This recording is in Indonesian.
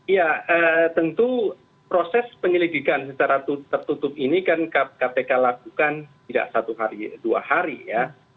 ya tentu proses penyelidikan secara tertutup ini kan kpk lakukan tidak satu hari dua hari ya